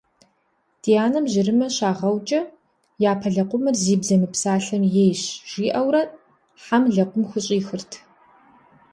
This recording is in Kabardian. Ди анэм жьэрымэ щагъэукӏэ, «япэ лэкъумыр зи бзэ мыпсалъэм ейщ» жиӏэурэ хьэм лэкъум хущӏихырт.